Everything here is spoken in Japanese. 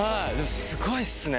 すごいっすね。